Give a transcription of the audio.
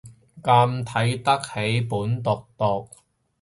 咁睇得起本毒毒